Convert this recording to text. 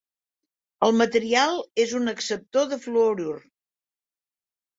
El material és un acceptor de fluorur.